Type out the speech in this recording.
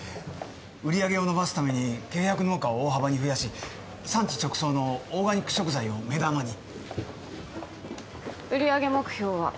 売り上げを伸ばすために契約農家を大幅に増やし産地直送のオーガニック食材を目玉に売り上げ目標は？